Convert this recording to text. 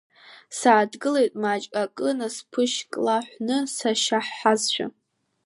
Сааҭгылеит маҷк, акы насԥышьклаҳәны сашьаҳазшәа.